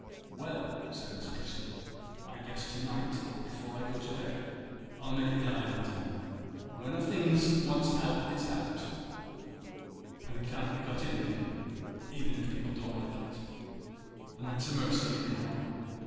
'Well,' said Miss Prissy, 'I guess to night before I go to bed I'll make a dive at him. When a thing's once out it's out, and can't be got in again, even if people don't like it, and that's a mercy anyhow.